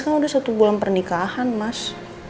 sekarang udah satu bulan pernikahan mas